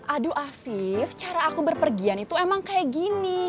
aduh afif cara aku berpergian itu emang kayak gini